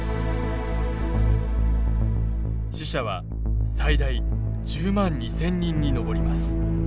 死者は最大１０万２，０００人に上ります。